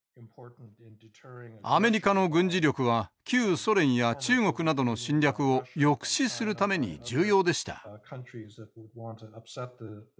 アメリカの軍事力は旧ソ連や中国などの侵略を抑止するために重要でした。